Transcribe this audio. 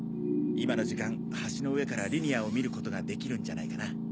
今の時間橋の上からリニアを見ることができるんじゃないかな？